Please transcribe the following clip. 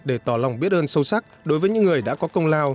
để tỏ lòng biết ơn sâu sắc đối với những người đã có công lao